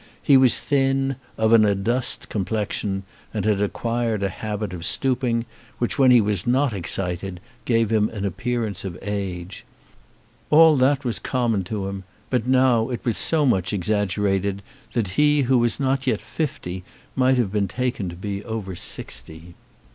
He was thin, of an adust complexion, and had acquired a habit of stooping which, when he was not excited, gave him an appearance of age. All that was common to him; but now it was so much exaggerated that he who was not yet fifty might have been taken to be over sixty.